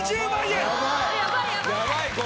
やばい。